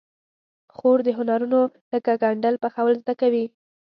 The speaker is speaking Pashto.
خور د هنرونو لکه ګنډل، پخول زده کوي.